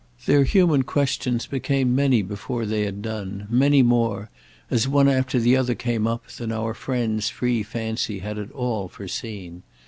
Their human questions became many before they had done—many more, as one after the other came up, than our friend's free fancy had at all foreseen.